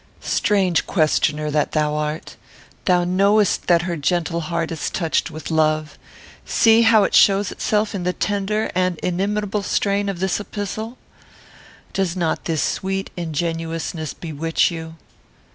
"Strange questioner that thou art. Thou knowest that her gentle heart is touched with love. See how it shows itself in the tender and inimitable strain of this epistle. Does not this sweet ingenuousness bewitch you?"